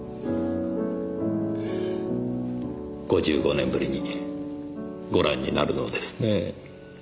５５年ぶりにご覧になるのですね？